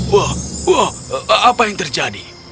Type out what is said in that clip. wow apa yang terjadi